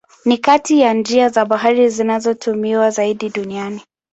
Ni kati ya njia za bahari zinazotumiwa zaidi duniani.